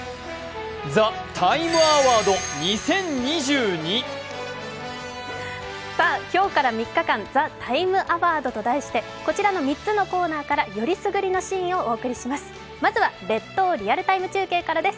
「ＴＨＥＴＩＭＥ，アワード２０２２」今日から３日間、「ＴＨＥＴＩＭＥ，アワード」と題してこちらの３つのコーナーから選りすぐりのシーンをお送りします。